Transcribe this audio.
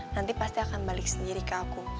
nanti pasti akan balik sendiri ke aku